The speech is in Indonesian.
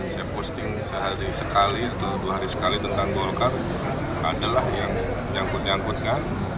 saya posting sehari sekali atau dua hari sekali tentang golkar adalah yang nyangkut nyangkutkan